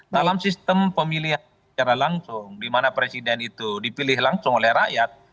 dalam sistem pemilihan secara langsung di mana presiden itu dipilih langsung oleh rakyat